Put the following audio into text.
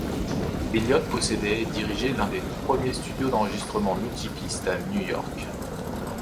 Elliott possédait et dirigeait l'un des tout premiers studios d'enregistrement multipistes à New York.